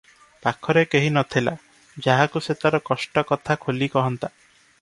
ପାଖରେ କେହି ନଥିଲା- ଯାହାକୁ ସେ ତାର କଷ୍ଟ କଥା ଖୋଲି କହନ୍ତା ।